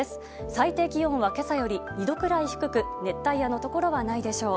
最低気温は今朝より２度くらい低く熱帯夜のところはないでしょう。